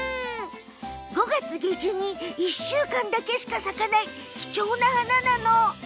５月下旬に、１週間だけしか咲かない貴重な花なの。